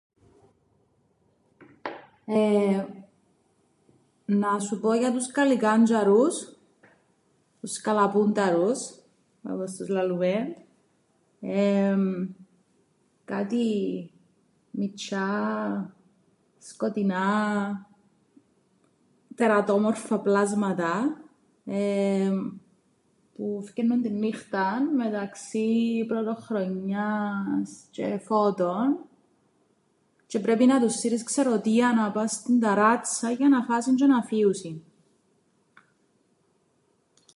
Εεε, να σου πω για τους καλικάντζ̆αρους τους σκαλαπούνταρους, όπως τους λαλούμεν, εεεμ κάτι μιτσ̆ιά σκοτεινά τερατόμορφα πλάσματα εεεμ που φκαίννουν την νύχταν μεταξύ Πρωτοχρονιάς τζ̆αι Φώτων τζ̆αι πρέπει να τους σύρεις ξεροτήανα πά' στην ταράτσαν για να φάσιν τζ̆αι να φύουσιν.